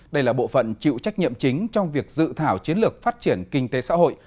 đây là bộ phận chịu trách nhiệm chính trong việc dự thảo chiến lược phát triển kinh tế xã hội